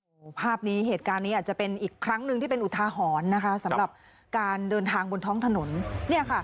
โอ้โหภาพนี้เหตุการณ์นี้อาจจะเป็นอีกครั้งหนึ่งที่เป็นอุทาหรณ์นะคะสำหรับการเดินทางบนท้องถนนเนี่ยค่ะ